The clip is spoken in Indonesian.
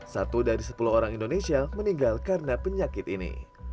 satu dari sepuluh orang indonesia meninggal karena penyakit ini